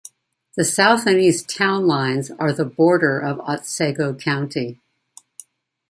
The south and east town lines are the border of Otsego County.